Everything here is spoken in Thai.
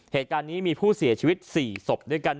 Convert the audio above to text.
เหตุการณ์นี้มีผู้เสียชีวิต๔ศพด้วยกัน